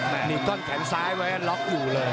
นี่ก้อนแขนซ้ายไว้ล็อกอยู่เลย